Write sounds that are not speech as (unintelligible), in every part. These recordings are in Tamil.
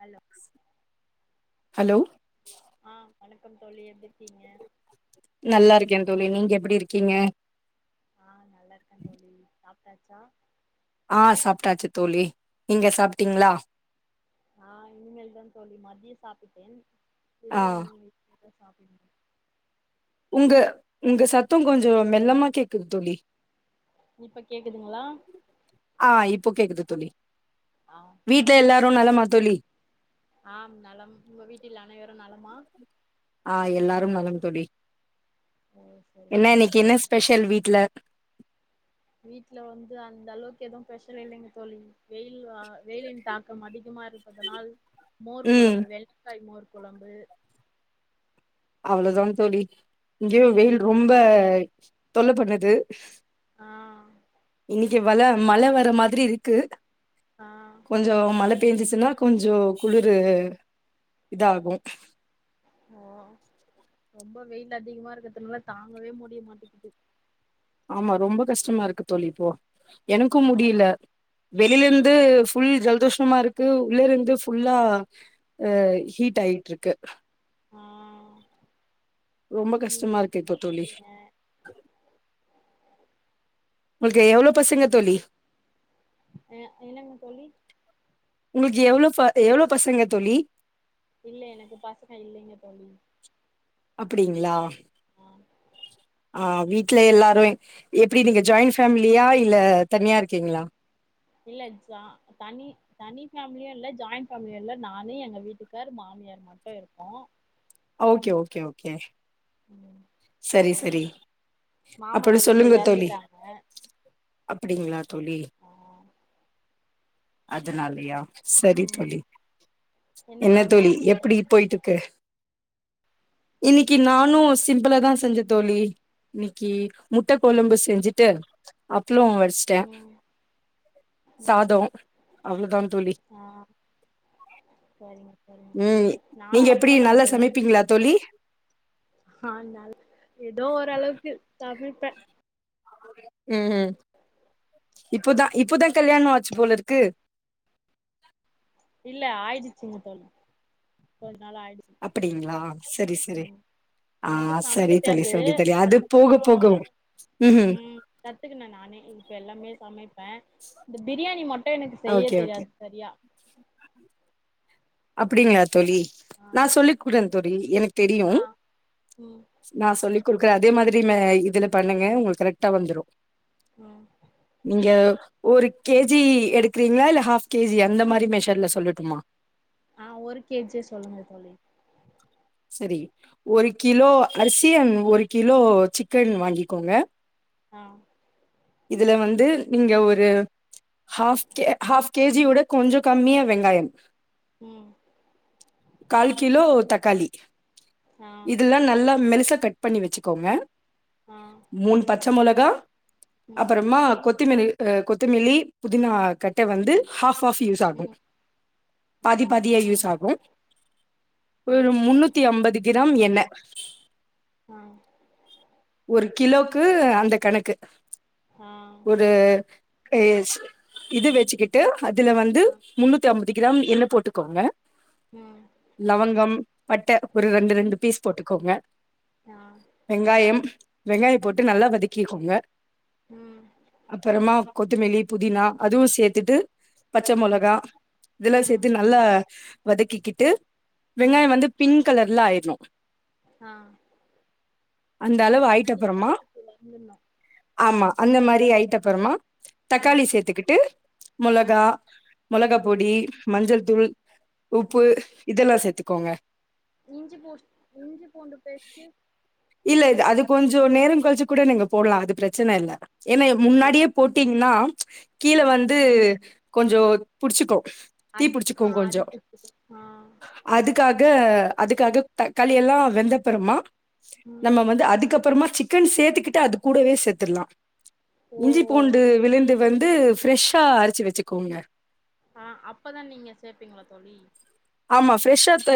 ஹலோ ஹலோ (unintelligible) ஆ வணக்கம் தோழி எப்டிருக்கீங்க நல்லா இருக்கே தோழி நீங்க எப்டி இருக்கீங்க ஆ நல்லா இருக்கே தோழி சாப்ட்டாச்சா ஆ சாப்ட்டாச்சு தோழி நீங்க சாப்ட்டீங்ளா ஆ இனிமேல் தா தோழி மதியோ சாப்பிட்டே ஆ இரவு உனவு சாப்பிடனு உங்க உங்க சத்த கொஞ்சொ மெல்லமா கேக்குது தோழி இப்ப கேக்குதுங்களா? ஆ இப்போ கேக்குது தோழி ஆ வீட்ல எல்லாரு நலமா தோழி ஆம் நலம் உங்க வீட்டில் அனைவரு நலமா? ஆ எல்லாரும் நலம் தோழி ஓ சரிங்க என்னா சரிங்க இன்னைக்கு என்ன தோழி ஸ்பெஷல் வீட்ல? வீட்ல வந்து அந்த அளவுக்கு எதும் பெஷல் இல்லெங்க தோழி வெயில் அ வெயிலின் தாக்கம் அதிகமா இருப்பதனால் மோர் ம் குழம்பு வெள்ரிக்காய் மோர் குழம்பு அவ்ளொ தாம் தோழி இங்கெயு ம் வெயில் ரொம்ப தொல்ல பண்ணுது (inaudible) ஆ ங்க வல மழ வர மாதிரி இருக்கு ஆ கொஞ்சொ மழ பேஞ்சுச்சுன்னா கொஞ்சோ குளிரு இதாகு ஓ ரொம்ப வெயில் அதிகமா இருக்கற்துனால தாங்கவே முடிய மாட்டிக்கிது ஆமா ரொம்ப கஷ்டமா இருக்கு தோழி இப்போ எனக்கும் ஆ முடியில ம் வெளிலெந்து ஃபுல் ஜல் தோஷமாருக்கு உள்ள இருந்து ஃபுல்லா அ ஹீட் ஆயிட்ருக்கு ஆ ரொம்ப நீங்க கஷ்டமா என்ன இருக்கு இப்ப தோழி சாப்டீங்க உங்கள்க்கு எவ்ளொ பசங்க தோழி? அ என்னங்க தோழி உங்ளுக்கு எவ்ளோ ப எவ்ளோ பசங்க தோழி? இல்ல எனக்கு பசங்க இல்லெங்க தோழி அப்புடிங்ளா ஆ ஆ வீ ட்ல எல்லாரு எப்டி நீங்க ஜாயிண்ட் ஃபேமிலியா இல்ல தனியா இருக்கீங்ளா? இல்ல ஜா தனி தனி ஃபேமிலியு இல்ல ஜாயிண்ட் பேமிலியு இல்ல நானு எங்க வீட்டுக்கார் மாமியார் மட்டு இருக்கோ ஓகே ஓகே ஓகே ம் சரி சரி அப்படி மாமனார் இல்ல எறந்துட்டாங்க அப்டிங்ளா தோழி ஆ அதுனாலயா சரி ம் தோழி என்ன தோழி எப்பிடி போயிட்டுக்கு? இன்னக்கி நானு சிம் இ்வ்ளதா செஞ்சு தோழி இன்னிக்கி முட்ட கொழம்பு ம் செஞ்சுட்டு அப் தலம் வரிச்சிட்டே ம் ம் சாதம் அவ்ளவுதா தோழி ஆ சரிங்க சரிங்க தோழி உம் நானு நீங்க எப்டி அப்பளம் நல்லா செஞ்சுட்டு சமைப்பீங்ளா தோழி ஆ ஏதோ ஓரளவுக்கு தமிழ் ப்ப உம் உம் இப்பதா இப்பதா கல்யாண ஆச்சு போல இருக்கு இல்ல ஆயிடுச்சுங்க தோழி அப்டீங்ளா உம் எனக்கு சமக்க சரி தோழி தெரியாது சரி தோழி அது போக அதுக்கப்புற போக ம் கத்துக்கினே நானே இப்ப எல்லாமே சமைப்பே இந்த பிரியாணி மட்டு எனக்கு செய்ய ஓகே ஓகே தெரியாது சரியா அப்டிங்ள தோழி ஆ நா சொல்லிக்குடே தோழி எனக்கு தெரியு ஆ ம் நா சொல்லி குடுக்குற அதே மாதிரி மே இதுல பண்ணுங்க உங்களுக்கு கரெக்டா வந்துரு ம் நீங்க ஒரு கேஜி எடுக்குறீங்ளா இல்ல ஹாஃப் கேஜி அந்த மாரி மெஷர்ல சொல்லட்டுமா ஆ ஒரு கேஜியே சொல்லுங்க தோழி சரி ஒரு கிலோ அரிசி அன்ட் ஒரு கிலோ சிக்கன் வாங்கிக்கோங்க ஆ இதுல வந்து நீங்க ஒரு ஹாஃப் கே ஹாஃப் கேஜியோட கொஞ்ச கம்மியா வெங்காயம் உம் கால் கிலோ தக்காளி ஆ (unintelligible) இதுலா நல்லா மெலிசா கட் பண்ணி வச்சுக்கோங்க ஆ மூனு பச்ச பச்ச மொளகா ம் அப்பறமா கொத்திமிலி அ கொத்தமிலி புதினாத் கட்ட வந்து ஹாஃப் ஆஃப் யூஸ் ஆகு ம் பாதி பாதியா யூஸ் ம் ஆகு ஆ ஒரு முன்னூத் அம்பது கிராம் எண்ண ஆ ஒரு கிலோக்கு அந்த கணக்கு ஆ ஒரு ஏஸ் இது வெச்சுக்கிட்டு அதுல வந்து ஆ முன்னூத்தி அம்பத் து கிராம் எள்ளு போட்டுக்கோங்க ம் லவங்கம் பட்ட ஒரு ம் ரெண்டு ரெண்டு பீஸ் போட்டுக்கோங்க ஆ வெங்காயம் வெங்காய போட்டு நல்லா வதக்கிக்கோங்க ம் அப்பறமா கொத்துமெல்லி புதினா அதுவு சேத்துட்டு பச்ச ம் மொளகா இதெல்லா ம் சேத்து நல்ல வதக்கிக்கிட்டு ம் வெங்காய வந்து பிங் கலர்லா ஆயின்னு ஆ அந்த அளவு ஆயிட்ட கண்ணாடி அப்புறமா பதத்துக்கு வந்துனு ஆமா அந்த மாரி ஐட்டப்பறமா தக்காளி சேத்துக்கிட்டு ஆ மொளகா மொளக ம் பொடி மஞ்சள் துள் உப்பு ம் இதெல்லா சேத்து கோங்க இஞ்சி பூஸ் இஞ்சி பூண்டு பேஸ்ட் ஞ்சோ நேரோ கழிச்சு கூட நீங்க போட்லா அது ப்ரச்சன இல்ல ஏன்னா எ ஓ முன்னாடியே போட்டீங்கன்னா கீல ஆ வந்து கொஞ்சோ புடிச்சுக்கு அத் ஆ அடி புடிச்சி ஆ க்க அதுக்காக தக்காளி எல்லா வெந்தப்பறமா ம் நம்ம வந்து அதுக்கப்பறமா சிக் கன் சேத்துகுட்டு அது கூடவே சேத்துல்லா ஓ இஞ்சி பூண்டு விழுந்து வந் ஃப்ரஷ்ஷா அரச்சி வச்சுக்கோங்க ஆ அப்பதா நீங்க சேப்பீங்களா தோழி ஆமா ஃப்ரெஷ்ஷா ச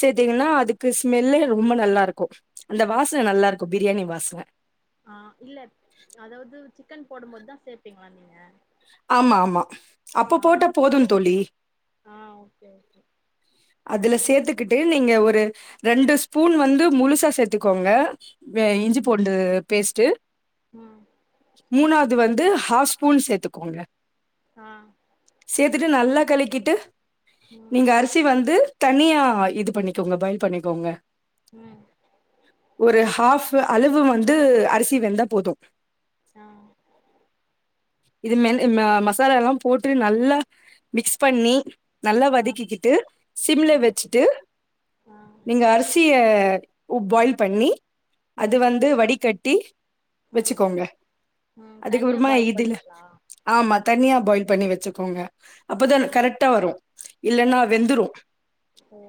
சேத்திங்கன்னா அதுக்கு ஸ்மெல்லே ரொம்ப நல்லாருக்கோ அந்த வாசன நல்லாருக்கோ பிரியாணி வாசன ஆ இல்ல அதாவ்து சிக்கன் போடும்போது தா சேப்பீங்களா நீங்க ஆமாமா அப்ப ஆ போட்டா போதுங் தோழி ஆ ஓகே ஓகே அதுல சேத்துக்கிட்டு நீங்க ஒரு ரெண்டு ஸ்பூன் வந்து முழுசா சேத்துக்கோங்க வே ம் இஞ்சி பூண்டு பேஸ்டு ம் மூனா து வந்து ஹாப் ஸ்பூன் சேத்துக்கோங்க ஆ த்துட்டு நல்லா கலக்கிட்டு ம் கு தனியா இது பண்ணிக்கோங்க பய்ல் பண்ணிக்கோங்க ம் ஒரு ஹாஃப அளுவு வந்து அரிசி வெந்தா போது ஆ இது மேலி மசாலாலா எல்லா போட்டு நல்லா மிக்ஸ் பண்ணி நல்லா ஆ வதக்கிக்கிட்டு சிம்ல ஆ வெச்சுட்டு ஆ நீங்க அரிசிய அ உ பாய்ல் பண்ணி அது ம் வந்து வடிகட் டி ம் வெச்சிக்கோங்க ம் தனியா அதுக்கப்றம பாயில் இதுல பண்ணிங்களா ஆமா தனியா பாய்ல் பண்ணி வச்சுக்கோங்க அப்பதா ஓ கரெக்ட்டா வரு இல்லனா வெந்துரு ஒ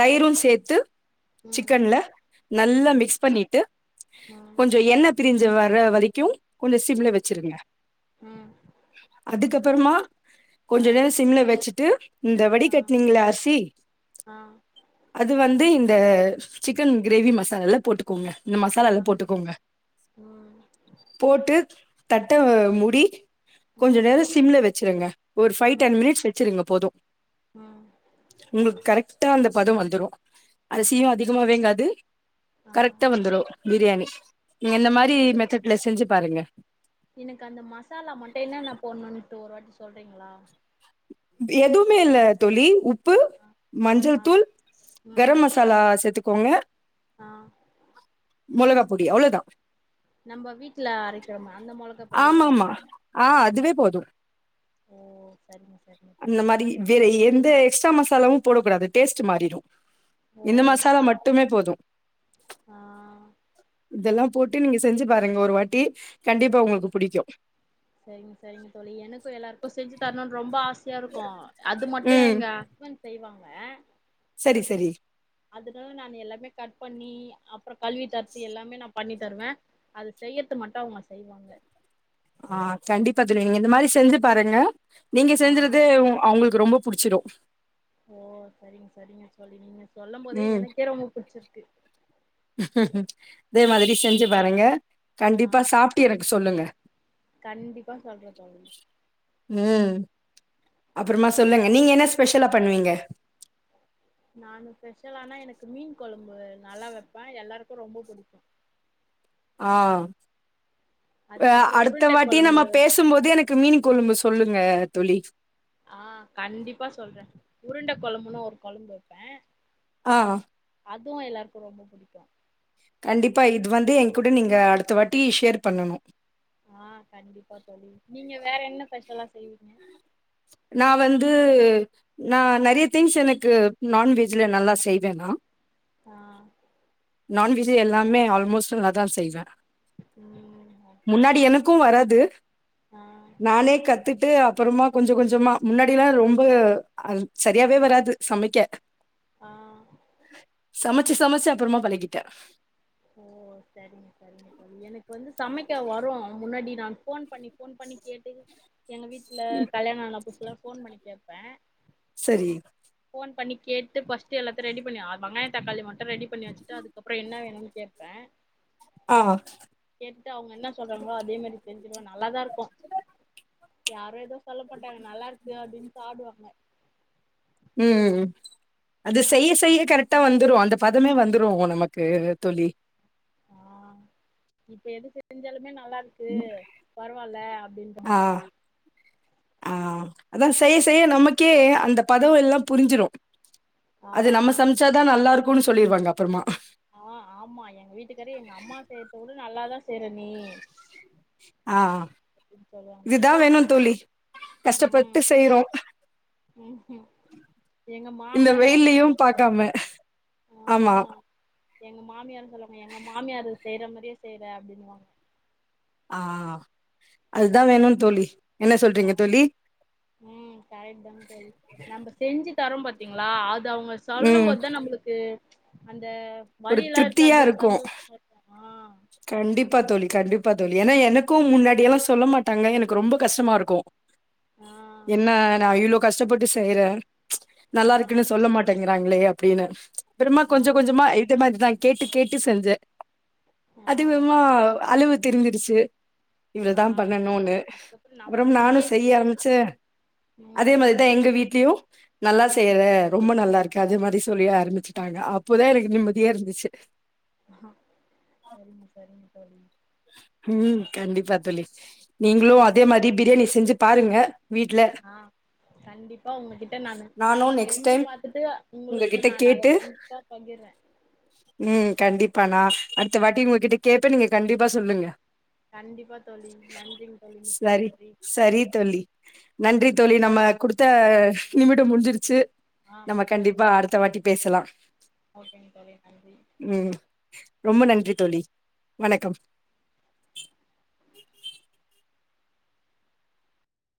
தய்ரு சேர்த்து சிக்கன்ல நல்லா ம் மிக்ஸ் பண்ணிட்டு ம் கொஞ்ச எண்ணத்திரிஞ்சு வ வேற வரைக்கு கொஞ்ச சிம்ல ம் வச்சிருங்க ம் அதுக்கப்பறமா கொஞ்ச ஆ நேர சிம்ல வச்சுட்டு இந்த ஆ வடிகட்டினிங்கள அரிசி ஆ அது வந்து இந்த அ சிக்கன் க்ரேவி மசாலல்லா போட்டுக்கோங்க இந்த மசாலாத ஆ போட்டுக்கோங்க ம் போட்டு தட்ட முடி கொஞ்ச ம் நேரோ சிம்ல வச் ச்சிருங்க ஒரு ஃபை ம் டென் மினிட்ஸ் வச்சிருங்க போது ம் உங்களுக் கரெக் க்டா அந்த பத வந்துரு அரிசியு அதிகமா வேகாது ஆ கரக்டா வந்தரு பிரியாணி நீ என்ன ஓ மாரி மெத்தட்ல செஞ்சு பாருங்க எனக்கு அந்த மசாலா மட்டு என்னன்ன போடணுனு இப்போ ஒரு வாட்டி சொல்றிங்களா எதுமே இல்ல தோழி உ உப்பு ஆ ஆ மஞ்சள்தூள் ம் கரம்மசாலா சேத்துக் கோங்க ஆ மொளகா பொடி அவ்ளதா நம்ம வீட்ல அரைகிறோம அந்த மொளக பொடியே ஆமா ஆமா ஓகே ஆ அதுவே போது ஓ சரிங்க சரிங்க அந்த தோழி மாரி வேற எந்த எக்ஸ்ட்ரா மஸ் ஸாலாவு போட கூடாது டேஸ்ட்டு மாறிரு ஓ இந்த மசாலா சரி மட்டுமே போது ஆ இதலா போட்டு நீங்க செஞ்சு பாருங்க ஒரு வாட்டி கண்டிப்பா உங்களுக்கு புடிக்கு செரிங்க செரிங்க தோலி எனக்கு எல்லாருக்கு செஞ்சு தரணுனு ரொம்ப ஆச சயா இருக்கு அது மட்டு ம் எங்க ஹஸ்பண் செய்வாங்க சரி சரி அதுனால நானு எல்லாமே கட் பண்ணி அப்பறோ கலுவிதரது எல்லாமே நா பண்ணி தருவே அது செய்யர்து மட்டு அவங்க செய்வாங்க ஆ கண்டிபாத நீங்க இந்த மாரி செஞ்சு பாருங்க நீங்க ஆ செஞ்சிரது அவங்களுகு ரொம்ப புடிசிரு ஓ சரிங்க சரிங்க தோலி நீங்க சொல்லம்போதே ம் எனக்கே ரொம்ப புட்ச்சிர்க்கு இதே மாரி செஞ்சு பாருங்க ஆ கண்டிபா சாப்ட்டு எனக்கு சொல்லுங்க கண்டிப்பா சொல்றே தோழி உம் அப்றமா சொல்லுங்க நீங்க என்ன ஸ்பெஷலா பண்ணுவீங்க நானு பெஷலானா எனக்கு மீன் கொலம்பு நல்லா வெப்பே எல்லாருக்கு ரொம்ப புடிக்கு ஆ அ அதுக்கப்புறோ அடுத்த உருண்ட வாட்டி நம்ம கொழம்பு பேசும்போது எனக்கு மீன் கொலம்பு சொல்லு அ தோழி ஆ கொலம்புன ஒரு கொலம்பு வப்பே ஆ அதுவு எல்லாருக்கு ரொம்ப பிடிக்கு கண்டிபா இது வந்து என்கூட நீங்க அடுத்த வாட்டி ஷேர் பண்ணணு ஆ கண்டிபா தோழி நீங்க வேற என்ன பெஷலா நா வந்து நா நெறய திங்ஸ் எனக்கு நான்வெஜ்ல நல்லா செய்வே நா ஆ நான்வெஜ் எல்லாமே ஆல்மோஸ்ட் நல்லாதா செய்வே உம் க்கு வராது நானே கத்துட்டு குருமா கொஞ்ச கொஞ்ச கொஞ்சமா முன்னாடி எல்லா ரொம்ப அ சரியாவே வராது சமக்க ஆ சமச் சமச்சி சமச்சி அப்புறமா பழகிட்டே ஓ சரிங்க சரிங்க தோழி எனக்கு வந்து சமைக்க வரு முன்னாடி நான் போன் பண்ணி போன் பண்ணி கேட்டு எங்க வீட்ல கல்யாண ஆன புதுசுல போன் பண்ணி கேப்பே சரி போன் பண்ணி கேட்டு பஸ்டு எல்லாத்த ரெடி பண்ணி வெங்காய தக்காளி மட்டு ரெடி பண்ணி வச்சுடு அதுக்கப்ற என்னா வேணும் கேப்பே ஆ. கேட்டு அவுங்க என்னா சொல்றாங்ளோ அதே மாரி செ இல்ல நல்லாதா இருக்கு யாரோ ஏதோ சொல்ல மாட்டாங்க நல்லா இருக்கு அப்டினு சாப்டுவாங்க உம் அது செய்ய செய்ய கரெக்டா வந்துரு அந்த பதமே வந்துரு நமக்கு தோழி ஆ இப்ப எது செஞ்சாலு இன்னு நல்லா இருக்கு பரவால்ல அப்டின்றாங்க ஆ, ஆ அதா செய்ய செய்ய நமக்கே அந்த பதோ எல்லா புரிஞ்சிரு ஆ அது நம்ம சமச்சாதா நல்லா இருக்கு உப்புனு சொல்லிருவாங்க அப்றமா ஆ ஆமா எங்க வீட்டுக்காரு எங்க அம்மா செய்றதவுட நல்லாதா செற நீ ஆ ஆ அப்டின்னு சொல்லுவாங்க இதுதா வேணு தோழி ம் கஷ்டப்பட்டு செய்றோ ம் எங்க இந்த மாமியாரு அவங்க வெயில்லையு சொல்லுவாங்க பாக்காம ஆமா ஆ எங்க மாமியாரு சொல்லுவாங்க எங்க மாமியாரு செய்யற மரியே செய்யற அப்பிடின்னு வாங்க ஆ அதுதா வேணு தோழி என்ன அ சொல்றீங்க தோழி? உ கரெட்தா தோழி நம்ம செஞ்சி தரும் பாத்த்த்தீங்களா அது தா அவங்க சொல்லு ம். போதா நம்புளுக்கு அந் இந்த ஒரு வழியல்லா திருப்தியா இருக்காது இருக்கும். சந்தோஷமா இருப்போமா கண்டிப்பா தோழி கண்டிப்பா தோழி ஏன்னா எனக்கும் முன்னாடிய எல்லா சொல்ல மாட்டாங்க எனக்கு ரொம்ப கஷ்டமா இருக்கும் ஆ என்ன நா இவ்ளோ கஷ்டப்பட்டு செய்யறே ஆ நல்லா இருக்குன்னு சொல்ல மாட்டேங்க வேங்களயோ அப்பிடின்னு அப்பறமா கொஞ்ச ஆ கொஞ்ச இதே மாரிதா கேட்டு கேட்டு செஞ்சே ஆ அதிவிமோ அளவு தெரிஞ்சிருச்சி ஆ இவ்ளதா பண்ணணுன்னு அதுக்கப்புறோ நம் அப்பறம் நானு அப்டியே செய்ய ஆரம்பிச்சு அதே ம் மாரிதா எங்க வீட்லயும் நல்லா ம் செய்யற ரொம்ப நல்லா இருக் கத மாரி சொல்லி ஆரம்பிச்சுட்டாங்க அப்பதா எனக்கு நிம்மதியா இருந்துச்சி ஆ செரிங்க-செரிங்க தோழி ம் கண்டிப்பா (inaudible) நீங்களு சரிங்க அதே தோழி மாரி பிரியாணி செஞ்சி பாருங்க வீட்ல ஆ கண்டிப்பா உங்ககிட்ட நா நானு நெக்ஸ்ட் செஞ்சு டைம் பாத்துட்டு உங்களுக்கு உங்ககிட்ட நா அத கேட்டு கண்டிப்பா பகிர்றே பண்ணா அடுத்த வாட்டி உங்ககிட்ட கேப்பே நீங்க கண்டிப் ப்பா சொல்லுங்க கண்டிப்பா தோழி நன்றிங்க தோழி மிக்க சரி நன்றி சரி தோழி நன்றி ஆ தோழி நம்ம குடுத்த நிமிடம் முடிஞ்சிருச்சி ஆ நம்ம கண்டிப்பா அடுத் த்தவாட்டி பேசலா ஓகேங்க தோழி நன்றி ரொம்ப நன்றி தோழி வணக்கம் (inaudible)